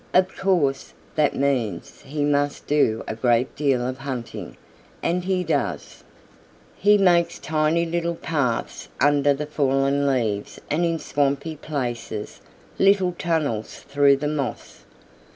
Of course, that means he must do a great deal of hunting, and he does. "He makes tiny little paths under the fallen leaves and in swampy places little tunnels through the moss.